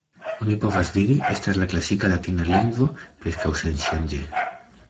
Oni povas vidi, estas la klasika latina lingvo preskaŭ senŝanĝe.